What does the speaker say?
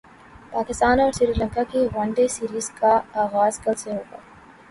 پاکستان اور سری لنکا کی one day series کا غاز کل سے ہو گا